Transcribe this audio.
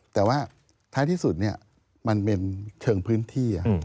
แต่ว่าท้ายที่สุดมันเป็นเชิงพื้นที่